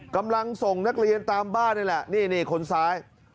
กำลังส่งนักเรียนตามบ้านนี่แหละนี่คนซ้าย